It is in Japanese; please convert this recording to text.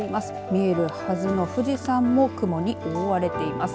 見えるはずの富士山も雲に覆われています。